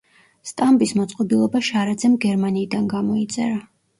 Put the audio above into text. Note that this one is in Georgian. სტამბის მოწყობილობა შარაძემ გერმანიიდან გამოიწერა.